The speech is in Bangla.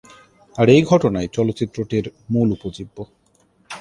আর এই ঘটনাই চলচ্চিত্রটির মূল উপজীব্য।